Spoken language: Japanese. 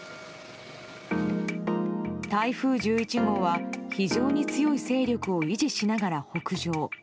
台風１１号は非常に強い勢力を維持しながら北上。